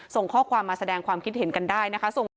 ส่งข้อความมาแสดงความคิดเห็นกันได้นะคะ